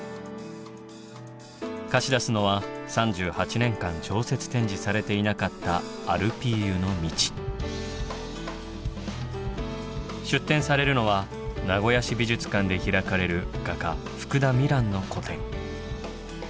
貸し出すのは３８年間常設展示されていなかった出展されるのは名古屋市美術館で開かれる画家福田美蘭の個展。